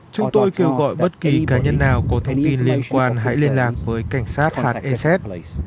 chúng tôi kêu gọi bất kỳ cá nhân nào có thông tin liên quan hãy liên lạc với cảnh sát hs